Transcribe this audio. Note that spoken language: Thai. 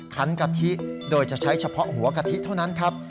กะทิโดยจะใช้เฉพาะหัวกะทิเท่านั้นครับ